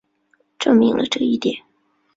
证明了这一点。